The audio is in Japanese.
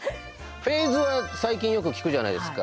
「フェーズ」は最近よく聞くじゃないですか。